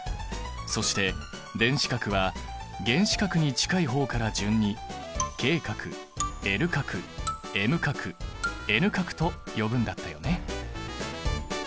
そして電子殻は原子核に近い方から順にＫ殻Ｌ殻Ｍ殻Ｎ殻と呼ぶんだったよね。